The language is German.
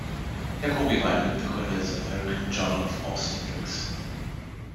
Jacobi war ein Mitbegründer des "American Journal of Obstetrics".